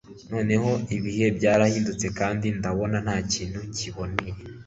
noneho ibihe byarahindutse kandi ndabona ntakintu kiboneye